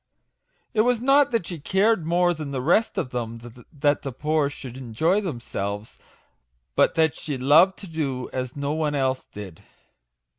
" It was not that she cared more than the rest of them that the poor should enjoy themselves, but that she loved to do as no one else did.